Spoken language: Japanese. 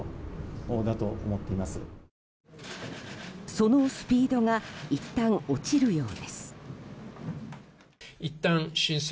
そのスピードがいったん落ちるようです。